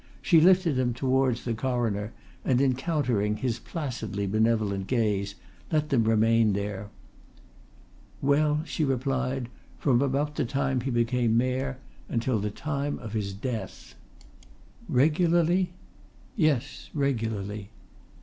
She lifted them towards the Coroner and, encountering his placidly benevolent gaze, let them remain there. "Well," she replied, "from about the time he became Mayor until the time of his death." "Regularly?" "Yes regularly."